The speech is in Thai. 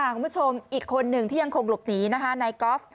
คุณผู้ชมอีกคนหนึ่งที่ยังคงหลบหนีนะคะนายกอล์ฟ